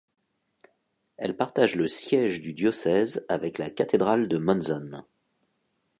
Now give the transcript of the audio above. Elle partage le siège du diocèse avec la cathédrale de Monzón.